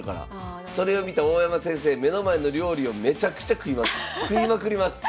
それを見た大山先生目の前の料理をめちゃくちゃ食いまくります。